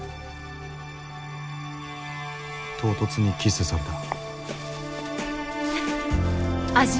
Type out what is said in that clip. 唐突にキスされた味見。